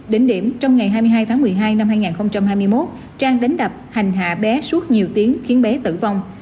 đến điểm trong ngày hai mươi hai tháng một mươi hai năm hai nghìn hai mươi một trang đánh đập hành hạ bé suốt nhiều tiếng khiến bé tử vong